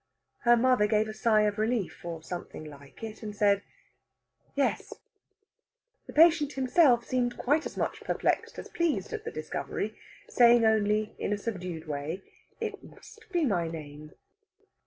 Her mother gave a sigh of relief, or something like it, and said, "Yes." The patient himself seemed quite as much perplexed as pleased at the discovery, saying only, in a subdued way: "It must be my name."